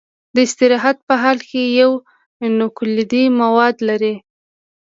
د استراحت په حال کې یو نوکلوئیدي مواد لري.